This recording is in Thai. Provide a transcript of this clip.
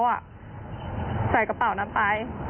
ใส่กระเป๋านั้นไป